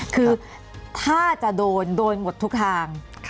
คือถ้าจะโดนโดนหมดทุกทาง